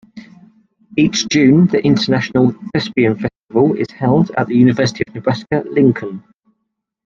Each June the International Thespian Festival is held at the University of Nebraska-Lincoln.